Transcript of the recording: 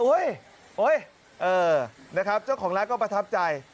โอ๊ยเออนะครับเจ้าของร้านก็ประทับใจ